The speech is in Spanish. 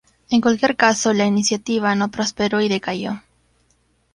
En cualquier caso, la iniciativa no prospero y decayó.